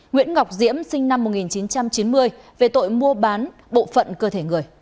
nguyễn ngọc diễm sinh năm một nghìn chín trăm chín mươi